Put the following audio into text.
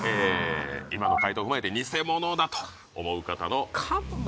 今の回答を踏まえてニセモノだと思う方の菅も怪しいんだよなあ